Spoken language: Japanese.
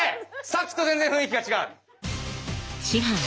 さっきと全然雰囲気が違う。